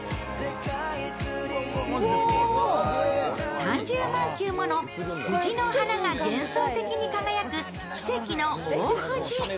３０万球もの藤の花が幻想的に輝く奇蹟の大藤。